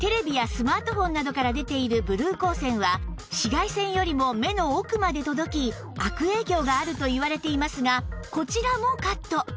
スマートフォンなどから出ているブルー光線は紫外線よりも目の奥まで届き悪影響があるといわれていますがこちらもカット！